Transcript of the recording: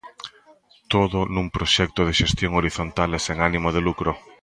Todo nun proxecto de xestión horizontal e sen ánimo de lucro.